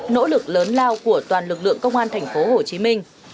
nỗ lực lớn lao của toàn lực lượng công an thành phố hồ chí minh